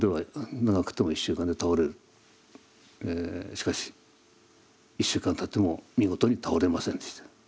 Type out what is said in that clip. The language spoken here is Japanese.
しかし１週間たっても見事に倒れませんでした。